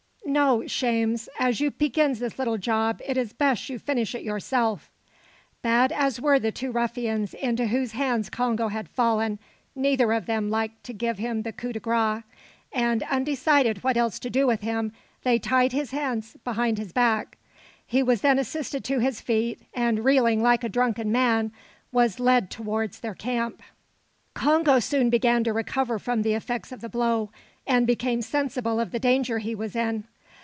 "No Shames; as you pegins this little job, it is besh you finish it yourself." Bad as were the two ruffians into whose hands Congo had fallen, neither of them liked to give him the coup de grace, and, undecided what else to do with him, they tied his hands behind his back. He was then assisted to his feet, and, reeling like a drunken man, was led towards their camp. Congo soon began to recover from the effects of the blow, and became sensible of the danger he was in.